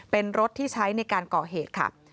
เป็นรถที่ใช้ในการก่อเหตุค่ะ